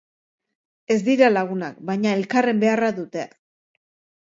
Ez dira lagunak baina elkarren beharra dute.